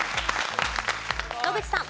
野口さん。